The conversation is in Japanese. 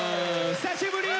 久しぶり！